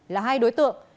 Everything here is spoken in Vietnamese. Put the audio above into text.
là hai đối tượng